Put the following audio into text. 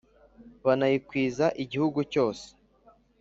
Banayikwiza igihugu cyose